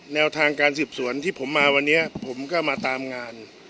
แนวทางการสืบสวนที่ผมมาวันนี้ผมก็มาตามงาน